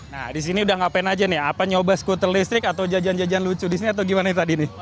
nah disini udah ngapain aja nih apa nyoba skuter listrik atau jajan jajan lucu di sini atau gimana tadi nih